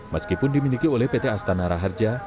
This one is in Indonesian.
meskipun dimiliki oleh pt astana raharja